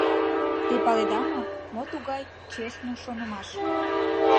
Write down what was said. — «Те паледа мо, мо тугай честно шонымаш...»